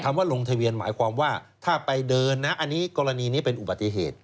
ว่าลงทะเบียนหมายความว่าถ้าไปเดินนะอันนี้กรณีนี้เป็นอุบัติเหตุ